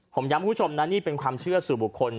ผมย้ำคุณผู้ชมนะนี่เป็นความเชื่อสู่บุคคล